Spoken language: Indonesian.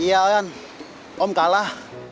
iya oyan om kalah